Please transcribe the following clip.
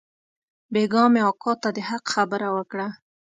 بيگاه مې اکا ته د حق خبره وکړه.